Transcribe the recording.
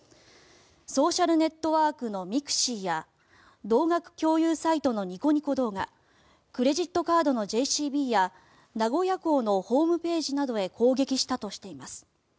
ソーシャルネットワークのミクシィや動画共有サイトのニコニコ動画クレジットカードのＪＣＢや名古屋港のホームページなどへ攻撃したとしています。